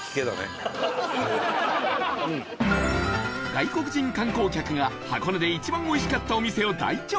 外国人観光客が、箱根で一番おいしかったお店を大調査